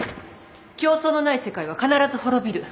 競争のない世界は必ず滅びる